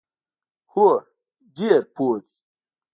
هو، ډیر پوه دي